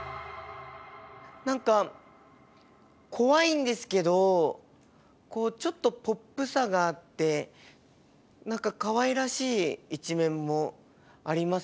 何か怖いんですけどこうちょっとポップさがあって何かかわいらしい一面もありますよね